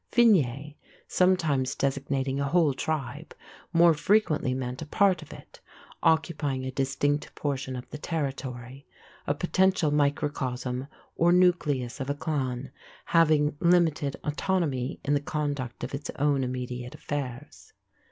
Fine, sometimes designating a whole tribe, more frequently meant a part of it, occupying a distinct portion of the territory, a potential microcosm or nucleus of a clan, having limited autonomy in the conduct of its own immediate affairs.